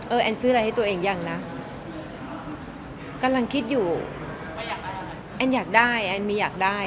แอนซื้ออะไรให้ตัวเองยังนะกำลังคิดอยู่แอนอยากได้แอนมีอยากได้